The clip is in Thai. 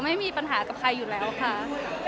ไม่มีปัญหากับใครอยู่แล้วค่ะ